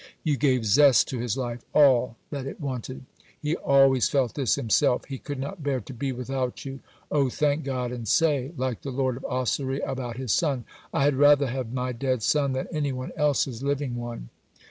You gave zest to his life: all that it wanted. He always felt this himself: he could not bear to be without you. O thank God and say (like the Lord of Ossory about his son): I had rather have my dead son than any one else's living one.